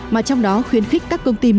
mà trong đó khuyên khích các công ty mỹ